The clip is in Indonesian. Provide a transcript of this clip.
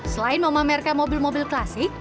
selain memamerkan mobil mobil klasik